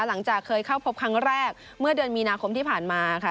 หลังจากเคยเข้าพบครั้งแรกเมื่อเดือนมีนาคมที่ผ่านมาค่ะ